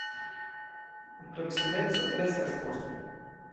Proksimeco kreskas poste.